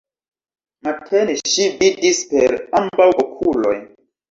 Matene ŝi vidis per ambaŭ okuloj.